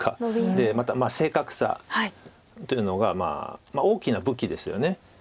でまた正確さというのが大きな武器ですよね。